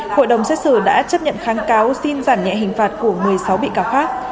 hội đồng xét xử đã chấp nhận kháng cáo xin giảm nhẹ hình phạt của một mươi sáu bị cáo khác